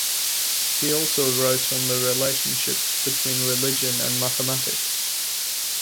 He also wrote on the relationship between religion and mathematics.